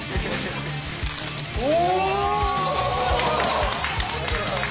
お！